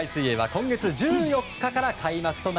今月１４日から開幕です。